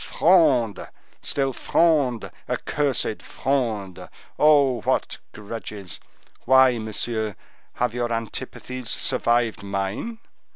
Fronde! still Fronde! accursed Fronde! Oh, what grudges! Why, monsieur, have your antipathies survived mine?